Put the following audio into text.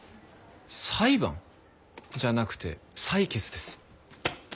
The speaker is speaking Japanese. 裁判？じゃなくて採血です。